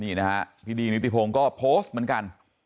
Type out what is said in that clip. นี่นะฮะพี่ดีนิติพงศ์ก็โพสต์เหมือนกัน